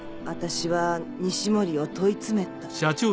私は西森を問い詰めた。